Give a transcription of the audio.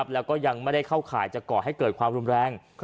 แล้วก็ยังไม่ได้เข้าข่ายจะก่อให้เกิดความรุนแรง